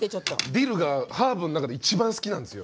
ディルがハーブの中で一番すきなんですよ。